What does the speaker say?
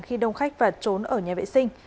khi đông khách và trốn ở nhà vệ sinh